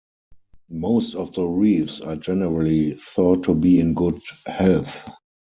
Most of the reefs are generally thought to be in good health.